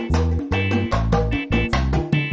ya ini lagi dikerjain